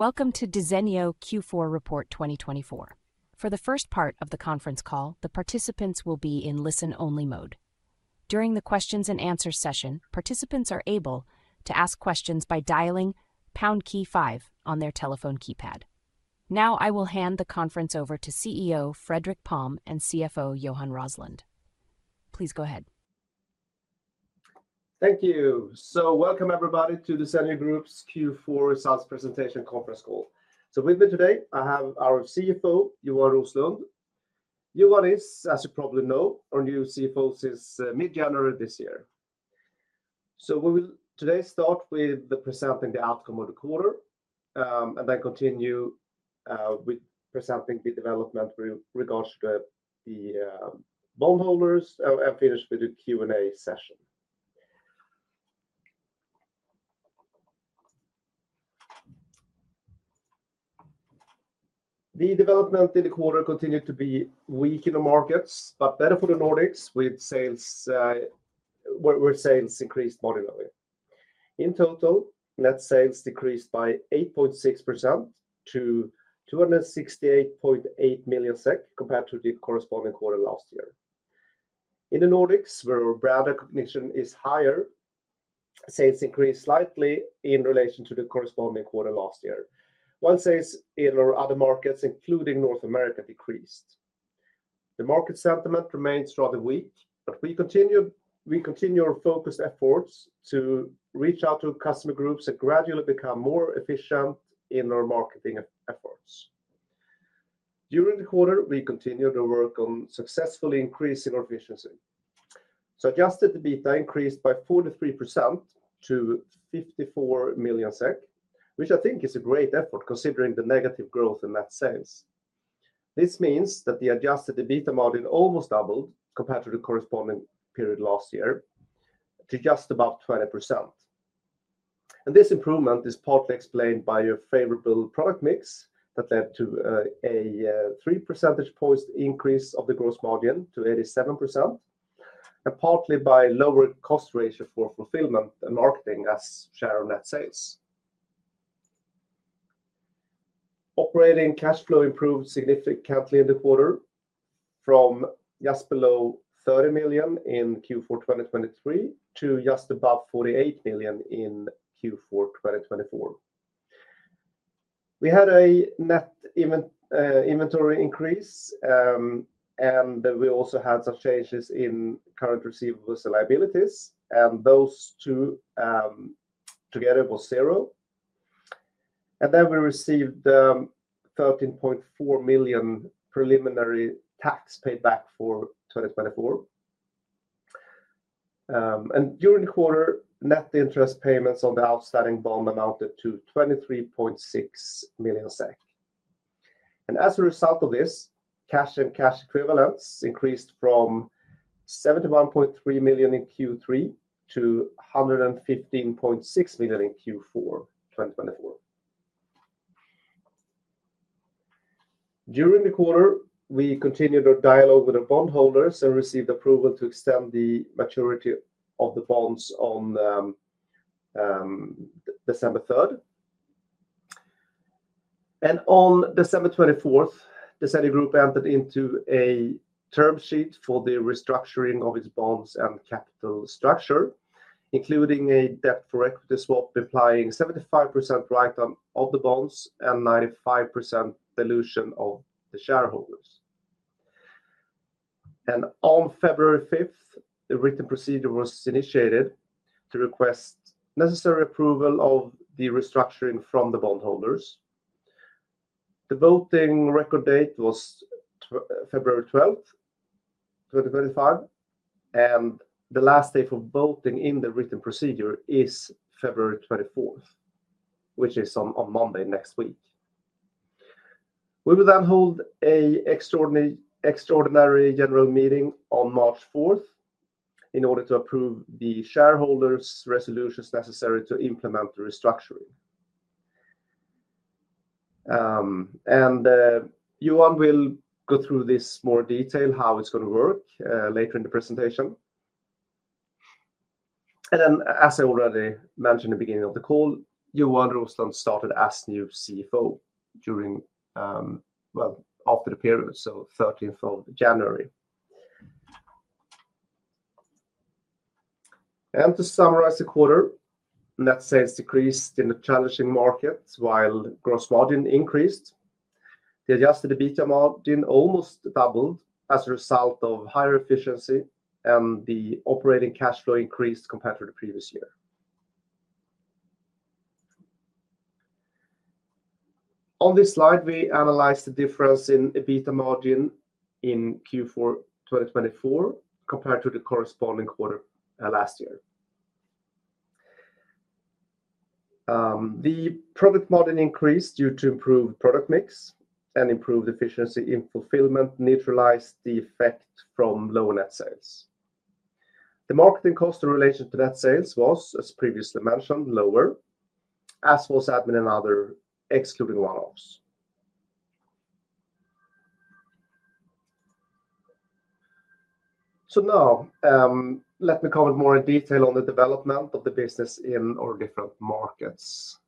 Welcome to Desenio Q4 Report 2024. For the first part of the conference call, the participants will be in listen-only mode. During the Q&A session, participants are able to ask questions by dialing pound five on their telephone keypad. Now, I will hand the conference over to CEO Fredrik Palm and CFO Johan Roslund. Please go ahead. Thank you. Welcome everybody to Desenio Group's Q4 Results Presentation Conference Call. With me today, I have our CFO, Johan Roslund. Johan is, as you probably know, our new CFO since mid-January this year. We will today start with presenting the outcome of the quarter, and then continue with presenting the development with regards to the bondholders, and finish with the Q&A session. The development in the quarter continued to be weak in the markets, but better for the Nordics, where sales increased moderately. In total, net sales decreased by 8.6% to 268.8 million SEK, compared to the corresponding quarter last year. In the Nordics, where brand recognition is higher, sales increased slightly in relation to the corresponding quarter last year. While sales in our other markets, including North America, decreased, the market sentiment remained rather weak, but we continue our focused efforts to reach out to customer groups and gradually become more efficient in our marketing efforts. During the quarter, we continued to work on successfully increasing our efficiency. Adjusted EBITDA increased by 43% to 54 million SEK, which I think is a great effort considering the negative growth in net sales. This means that the adjusted EBITDA margin almost doubled compared to the corresponding period last year, to just about 20%. This improvement is partly explained by a favorable product mix that led to a 3 percentage points increase of the gross margin to 87%, and partly by a lower cost ratio for fulfillment and marketing, as share of net sales. Operating cash flow improved significantly in the quarter, from just below 30 million in Q4 2023 to just above 48 million in Q4 2024. We had a net inventory increase, and we also had some changes in current receivables and liabilities, and those two together were zero. We received 13.4 million preliminary tax paid back for 2024. During the quarter, net interest payments on the outstanding bond amounted to 23.6 million SEK. As a result of this, cash and cash equivalents increased from 71.3 million in Q3 to 115.6 million in Q4 2024. During the quarter, we continued our dialogue with our bondholders and received approval to extend the maturity of the bonds on December 3rd. On 24 December 2024, Desenio Group entered into a term sheet for the restructuring of its bonds and capital structure, including a debt for equity swap implying 75% write-off of the bonds and 95% dilution of the shareholders. On 5 February 2025, a written procedure was initiated to request necessary approval of the restructuring from the bondholders. The voting record date was 12 February 2025, and the last day for voting in the written procedure is 24 February 2025, which is on Monday next week. We will then hold an extraordinary general meeting on 4 March 2025 in order to approve the shareholders' resolutions necessary to implement the restructuring. Johan will go through this in more detail, how it's going to work later in the presentation. As I already mentioned in the beginning of the call, Johan Roslund started as new CFO after the period, so 13 January 2025. To summarize the quarter, net sales decreased in the challenging markets while gross margin increased. The adjusted EBITDA margin almost doubled as a result of higher efficiency, and the operating cash flow increased compared to the previous year. On this slide, we analyze the difference in EBITDA margin in Q4 2024 compared to the corresponding quarter last year. The product margin increased due to improved product mix and improved efficiency in fulfillment neutralized the effect from low net sales. The marketing cost in relation to net sales was, as previously mentioned, lower, as was admin and other excluding one-offs. Now, let me comment more in detail on the development of the business in our different markets.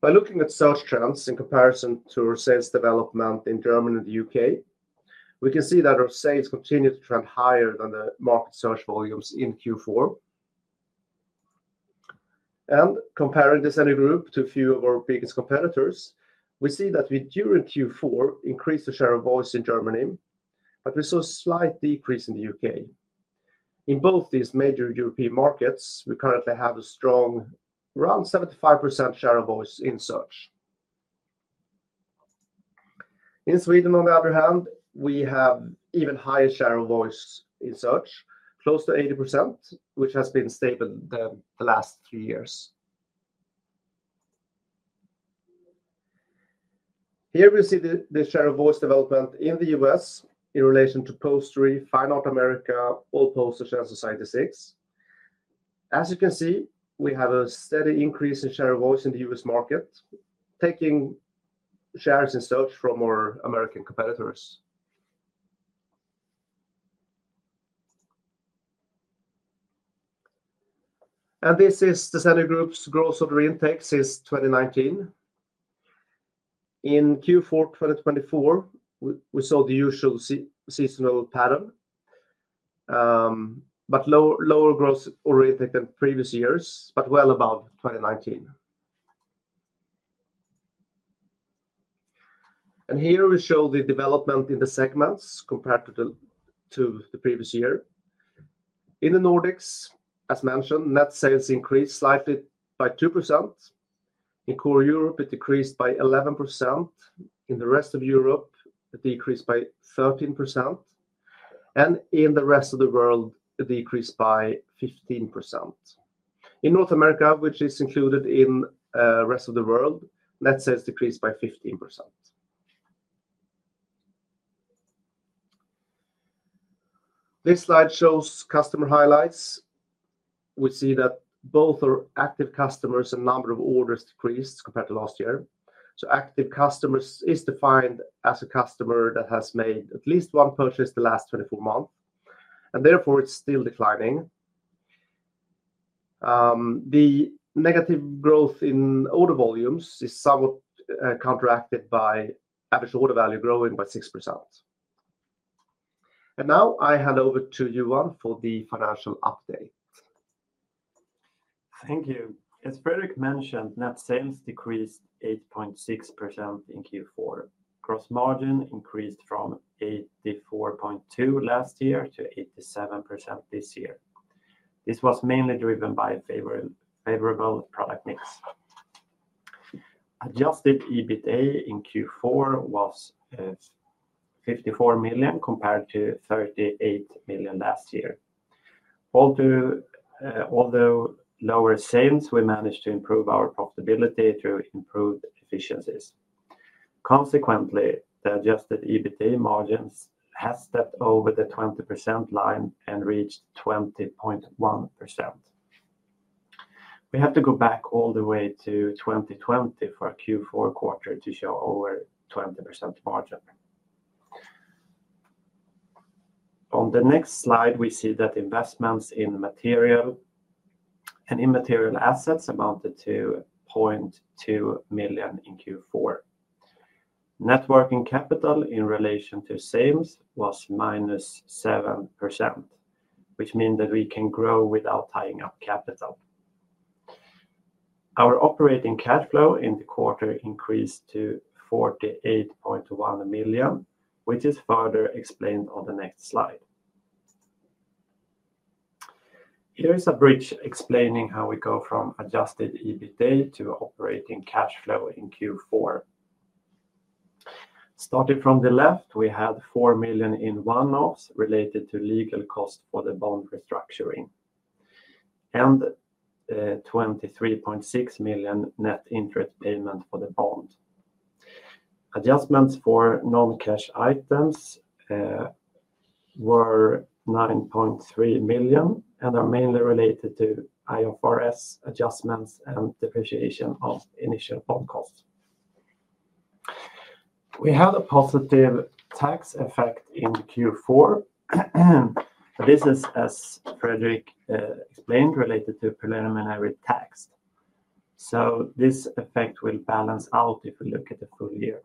By looking at search trends in comparison to our sales development in Germany and the U.K., we can see that our sales continue to trend higher than the market search volumes in Q4. Comparing Desenio Group to a few of our biggest competitors, we see that we during Q4 increased the share of voice in Germany, but we saw a slight decrease in the U.K. In both these major European markets, we currently have a strong around 75% share of voice in search. In Sweden, on the other hand, we have even higher share of voice in search, close to 80%, which has been stable the last three years. Here we see the share of voice development in the U.S. in relation to Postery, Fine Art America, AllPosters, and Society6. As you can see, we have a steady increase in share of voice in the US market, taking shares in search from our American competitors. This is Desenio Group's gross order intake since 2019. In Q4 2024, we saw the usual seasonal pattern, but lower gross order intake than previous years, but well above 2019. Here we show the development in the segments compared to the previous year. In the Nordics, as mentioned, net sales increased slightly by 2%. In core Europe, it decreased by 11%. In the rest of Europe, it decreased by 13%. In the rest of the world, it decreased by 15%. In North America, which is included in the rest of the world, net sales decreased by 15%. This slide shows customer highlights. We see that both our active customers and number of orders decreased compared to last year. Active customers is defined as a customer that has made at least one purchase the last 24 months, and therefore it's still declining. The negative growth in order volumes is somewhat counteracted by average order value growing by 6%. Now I hand over to Johan for the financial update. Thank you. As Fredrik mentioned, net sales decreased 8.6% in Q4. Gross margin increased from 84.2% last year to 87% this year. This was mainly driven by a favorable product mix. Adjusted EBITDA in Q4 was 54 million compared to 38 million last year. Although lower sales, we managed to improve our profitability through improved efficiencies. Consequently, the adjusted EBITDA margins have stepped over the 20% line and reached 20.1%. We have to go back all the way to 2020 for Q4 quarter to show over 20% margin. On the next slide, we see that investments in material and immaterial assets amounted to 0.2 million in Q4. Networking capital in relation to sales was minus 7%, which means that we can grow without tying up capital. Our operating cash flow in the quarter increased to 48.1 million, which is further explained on the next slide. Here is a bridge explaining how we go from adjusted EBITDA to operating cash flow in Q4. Starting from the left, we had 4 million in one-offs related to legal costs for the bond restructuring and 23.6 million net interest payment for the bond. Adjustments for non-cash items were 9.3 million and are mainly related to IFRS adjustments and depreciation of initial bond costs. We had a positive tax effect in Q4. This is, as Fredrik explained, related to preliminary tax. This effect will balance out if we look at the full year.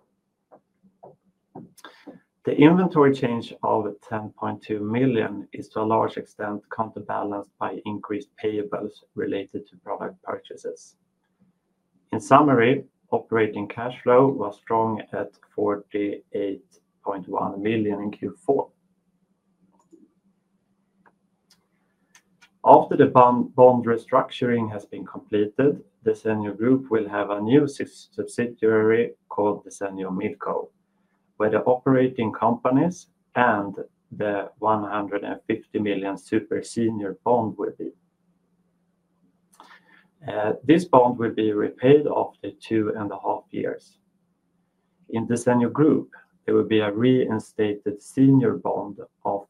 The inventory change of 10.2 million is to a large extent counterbalanced by increased payables related to product purchases. In summary, operating cash flow was strong at 48.1 million in Q4. After the bond restructuring has been completed, Desenio Group will have a new subsidiary called Desenio MidCo, where the operating companies and the 150 million super senior bond will be. This bond will be repaid after two and a half years. In Desenio Group, there will be a reinstated senior bond of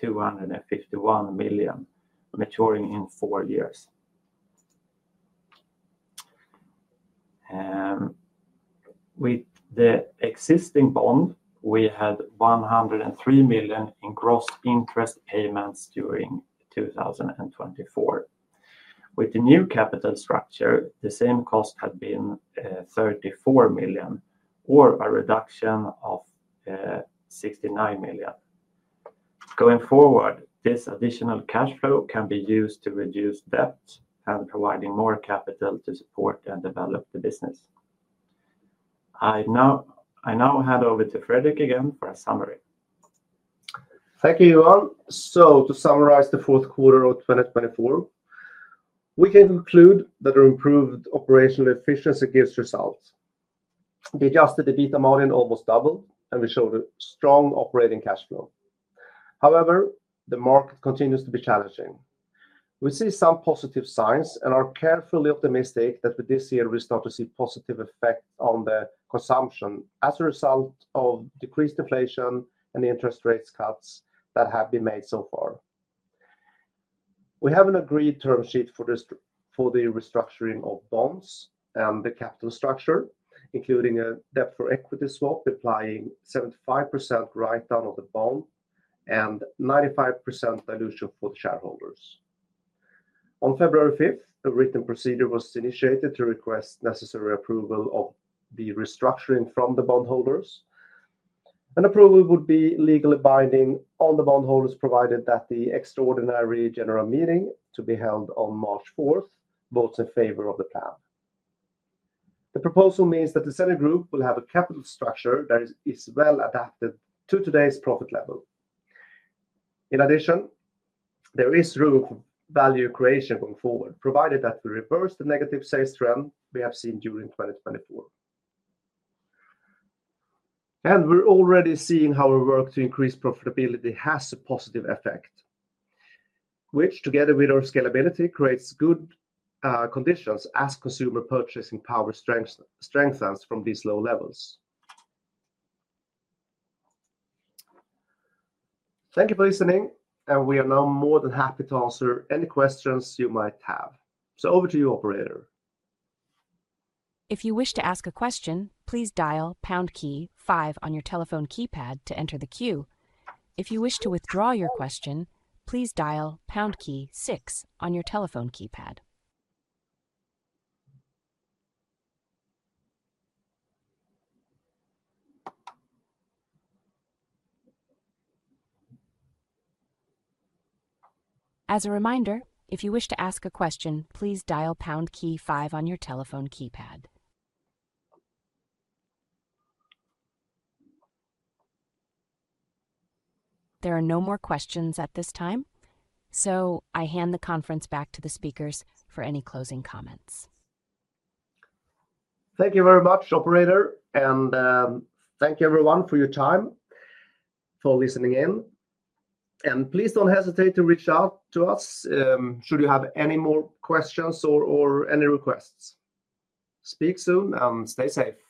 251 million, maturing in four years. With the existing bond, we had 103 million in gross interest payments during 2024. With the new capital structure, the same cost had been 34 million, or a reduction of 69 million. Going forward, this additional cash flow can be used to reduce debt and providing more capital to support and develop the business. I now hand over to Fredrik again for a summary. Thank you, Johan. To summarize the Q4 of 2024, we can conclude that our improved operational efficiency gives results. The adjusted EBITDA margin almost doubled, and we showed a strong operating cash flow. However, the market continues to be challenging. We see some positive signs and are carefully optimistic that this year we start to see positive effects on the consumption as a result of decreased inflation and the interest rate cuts that have been made so far. We have an agreed term sheet for the restructuring of bonds and the capital structure, including a debt for equity swap implying 75% write-off of the bond and 95% dilution for the shareholders. On February 5th, a written procedure was initiated to request necessary approval of the restructuring from the bondholders. An approval would be legally binding on the bondholders, provided that the extraordinary general meeting to be held on 4 March 2024 votes in favor of the plan. The proposal means that the Desenio Group will have a capital structure that is well adapted to today's profit level. In addition, there is room for value creation going forward, provided that we reverse the negative sales trend we have seen during 2024. We are already seeing how our work to increase profitability has a positive effect, which, together with our scalability, creates good conditions as consumer purchasing power strengthens from these low levels. Thank you for listening, and we are now more than happy to answer any questions you might have. Over to you, operator. If you wish to ask a question, please dial pound key five on your telephone keypad to enter the queue. If you wish to withdraw your question, please dial pound key six on your telephone keypad. As a reminder, if you wish to ask a question, please dial pound key five on your telephone keypad. There are no more questions at this time, so I hand the conference back to the speakers for any closing comments. Thank you very much, operator, and thank you everyone for your time, for listening in. Please don't hesitate to reach out to us should you have any more questions or any requests. Speak soon and stay safe.